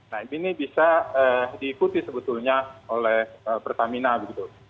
nah ini bisa diikuti sebetulnya oleh pertamina begitu